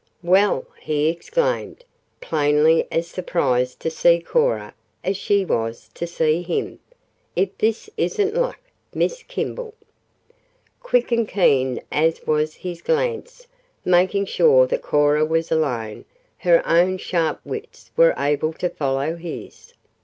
"Well!" he exclaimed, plainly as surprised to see Cora as she was to see him. "If this isn't luck! Miss Kimball!" Quick and keen as was his glance, making sure that Cora was alone, her own sharp wits were able to follow his.